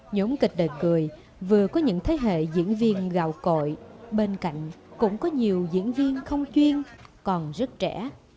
nhóm kịch đời cười vừa có những thế hệ diễn viên gào cội bên cạnh cũng có nhiều diễn viên không chuyên còn rất trẻ